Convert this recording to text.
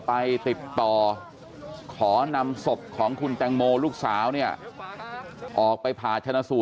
อันดับสองค่ะ